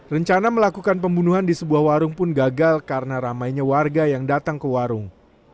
rencana melakukan pembunuhan di sebuah warung pun gagal karena ramainya warga yang datang ke warung